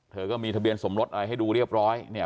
เธอก็มีทะเบียนสมรสอะไรให้ดูเรียบร้อยเนี่ย